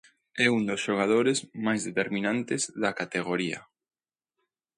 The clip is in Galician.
É un dos xogadores máis determinantes da categoría.